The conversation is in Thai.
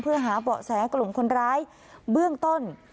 เพื่อหาเบาะแสกลุ่มคนร้ายเบื้องต้น